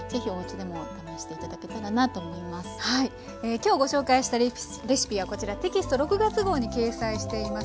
今日ご紹介したレシピはこちらテキスト６月号に掲載しています。